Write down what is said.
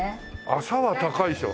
麻は高いでしょ？